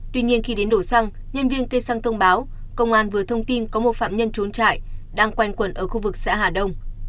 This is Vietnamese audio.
tuy nhiên khi đến đổ xăng nhân viên cây xăng thông báo công an vừa thông tin có một phạm nhân trốn trại đang quanh quần ở khu vực xã hà đông